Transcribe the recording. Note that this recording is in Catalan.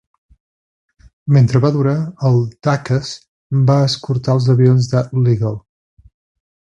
Mentre va durar, el "Duchess" va escortar els avions de l'"Eagle".